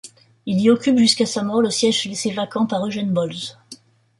Il y occupe, jusqu'à sa mort, le siège laissé vacant par Eugène Bolze.